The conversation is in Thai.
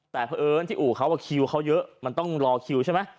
แต่เพราะเอิญที่อู่เขาคิวเขาเยอะมันต้องรอคิวใช่ไหม